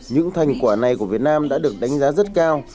những thành quả này của việt nam đã được đánh giá rất cao